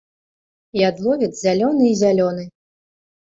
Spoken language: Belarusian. Ядловец зялёны і зялёны.